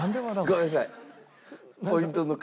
ごめんなさい。